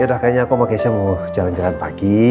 yaudah kayaknya aku sama keshia mau jalan jalan pagi